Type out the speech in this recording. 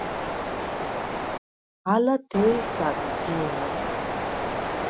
ალა დე̄სა ლი დი̄ნა.